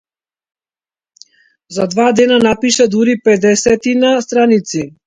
За два дена напиша дури педесетина страници.